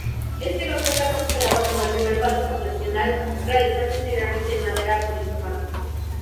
Este grupo está considerado como el primer paso procesional realizado íntegramente en madera policromada.